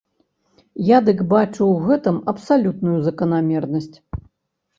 Я дык бачу ў гэтым абсалютную заканамернасць.